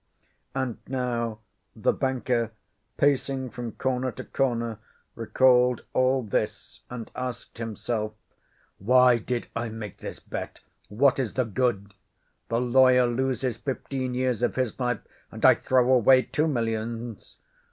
And now the banker, pacing from corner to corner, recalled all this and asked himself: "Why did I make this bet? What's the good? The lawyer loses fifteen years of his life and I throw away two millions.